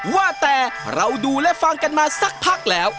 ว่าแต่เราดูและฟังกันมาสักพักแล้ว